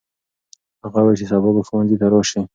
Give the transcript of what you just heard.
هغه وویل چې سبا به ښوونځي ته راسي.